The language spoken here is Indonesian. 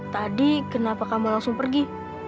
tadi kenapa kamu langsung pergi